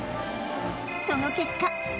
その結果